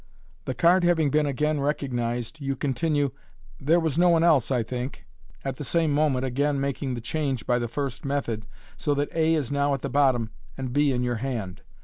The card having been again recog nized, you continue, " There was no one else, I think," at the same moment again making the change by the first method, so that a is now at bottom and b in your hand.